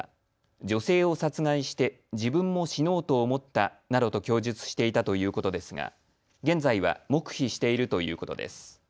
女性を殺害して自分も死のうと思ったなどと供述していたということですが現在は黙秘しているということです。